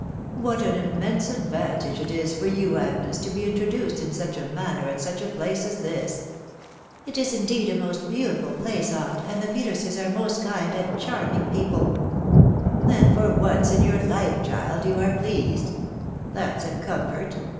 What an immense advantage it is far you, Agnes, to he intm< dneed in such a manner at such * place as tins !"" It is indeed a most beautiful place, aunt, and the Peterses are most land and chaining people/* *f Then for once in your life, child, you axe pleased J ...» that's a comfort